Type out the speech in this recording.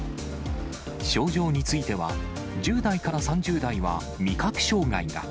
症状については、１０代から３０代は味覚障害が。